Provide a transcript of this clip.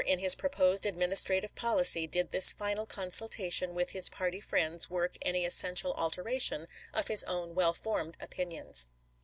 in his proposed administrative policy did this final consultation with his party friends work any essen tial alteration of his own well formed opinions.